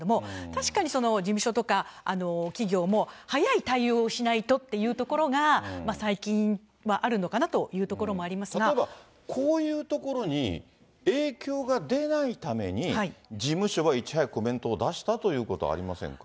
確かに事務所とか、企業も早い対応をしないとというところが、最近はあるのかなといただ、こういうところに影響が出ないために事務所はいち早くコメントを出したということはありませんか？